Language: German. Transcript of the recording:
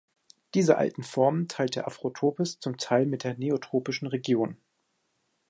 Diese alten Formen teilt die Afrotropis zum Teil mit der Neotropischen Region.